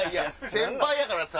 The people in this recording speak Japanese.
先輩やからさ！